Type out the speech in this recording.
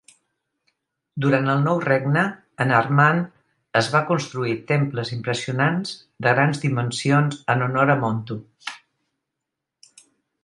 Durant el Nou Regne, en Armant es van construir temples impressionants de grans dimensions en honor a Montu.